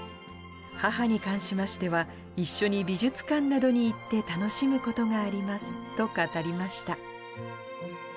母に関しましては、一緒に美術館などに行って楽しむことがありますと語りました。